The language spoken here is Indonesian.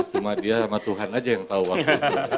cuma dia sama tuhan aja yang tahu waktu